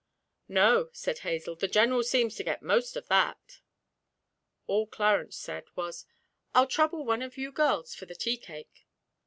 'No,' said Hazel, 'the General seems to get most of that.' All Clarence said was: 'I'll trouble one of you girls for the tea cake.'